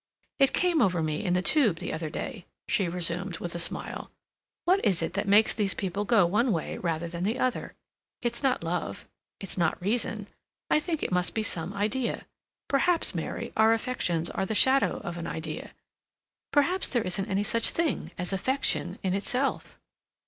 "It came over me in the Tube the other day," she resumed, with a smile; "what is it that makes these people go one way rather than the other? It's not love; it's not reason; I think it must be some idea. Perhaps, Mary, our affections are the shadow of an idea. Perhaps there isn't any such thing as affection in itself...."